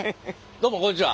どうもこんにちは。